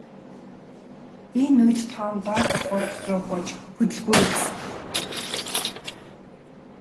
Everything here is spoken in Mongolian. Энэ үед Том доод давхарруу бууж хөдөлгүүрийг асаав.